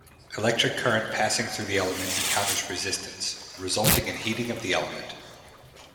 Electric current passing through the element encounters resistance, resulting in heating of the element.